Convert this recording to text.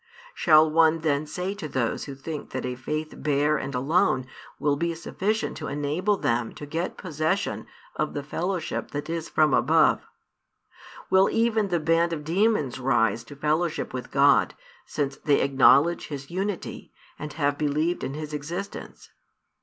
Shall one then say to those who think that a faith bare and alone will be sufficient to enable them to get possession of the fellowship that is from above, will even the band of demons rise to fellowship with God, since they acknowledge His Unity, and have believed in His Existence?